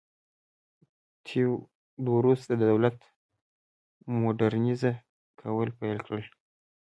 تیودوروس د دولت م وډرنیزه کول پیل کړل.